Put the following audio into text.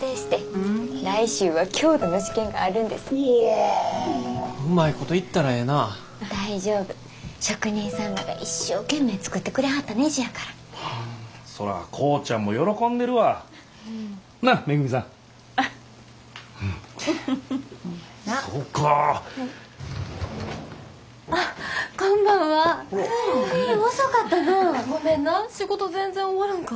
ごめんな仕事全然終わらんかって。